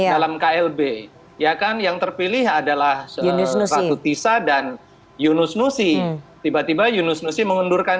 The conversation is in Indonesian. dalam klb ya kan yang terpilih adalah ratu tisa dan yunus nusi tiba tiba yunus nusi mengundurkan